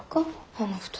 あの２人。